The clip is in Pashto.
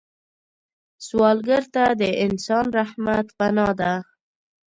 سوالګر ته د انسان رحمت پناه ده